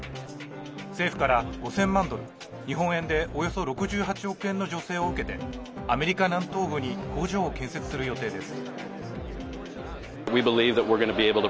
政府から５０００万ドル日本円でおよそ６８億円の助成を受けてアメリカ南東部に工場を建設する予定です。